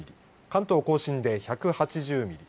関東甲信で１８０ミリ